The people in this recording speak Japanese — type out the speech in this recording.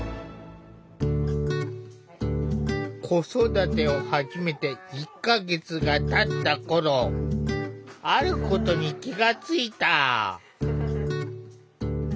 子育てを始めて１か月がたった頃あることに気が付いた。